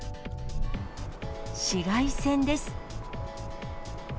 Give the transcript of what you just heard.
紫外線です。